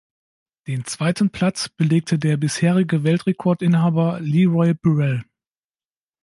Den zweiten Platz belegte der bisherige Weltrekordinhaber Leroy Burrell.